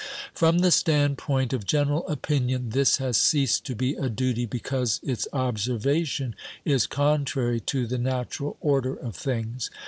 From the standpoint of general opinion, this has ceased to be a duty, because its observation is contrary to the natural order of things.